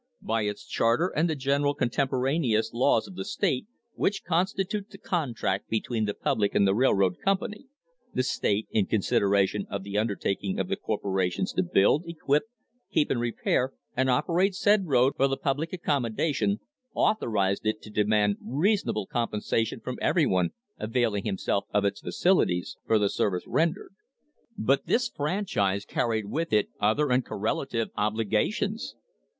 By its charter and the general contemporaneous laws of the state which constitute the contract between the public and the railroad company the state, in consideration of the undertaking of the corporators to build, equip, keep in repair and operate said road for the public accommodation, authorised it to demand reasonable compensation from everyone availing himself of its facilities, for the service rendered. But this franchise carried with it other and correlative obliga tions.